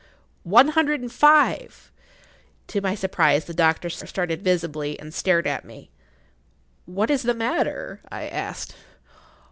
"One hundred and five——"[Pg 25] To my surprise the doctor started visibly, and stared at me. "What is the matter?" I asked.